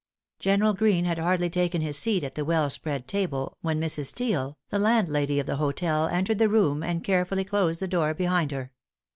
General Greene had hardly taken his seat at the well spread table, when Mrs. Steele, the landlady of the hotel, entered the room, and carefully closed the door behind her.